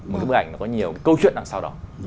một cái bức ảnh nó có nhiều câu chuyện đằng sau đó